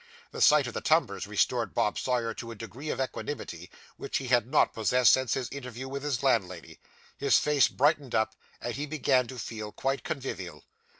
The sight of the tumblers restored Bob Sawyer to a degree of equanimity which he had not possessed since his interview with his landlady. His face brightened up, and he began to feel quite convivial.